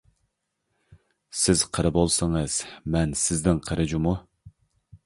سىز قىرى بولسىڭىز مەن سىزدىن قىرى جۇمۇ.